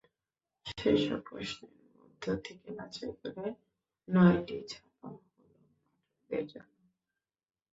সেসব প্রশ্নের মধ্য থেকে বাছাই করা নয়টি ছাপা হলো পাঠকদের জন্য।